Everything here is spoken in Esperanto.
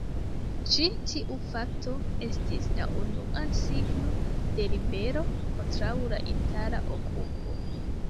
Ĉi tiu fakto estis la unua signo de ribelo kontraŭ la itala okupo.